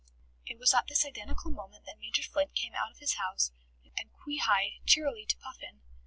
It was at this identical moment that Major Flint came out of his house and qui hied cheerily to Puffin.